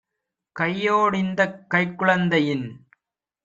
"கையோ டிந்தக் கைக் குழந்தையின்